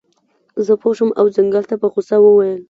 زه پوه شم او ځنګل ته په غوسه وویل.